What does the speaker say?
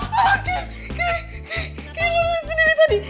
kayak lulung sendiri tadi